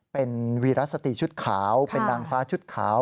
เป็นวีรสติชุดขาวเป็นนางฟ้าชุดขาว